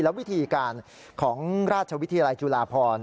และวิธีการของราชวิทยาลัยจุฬาพร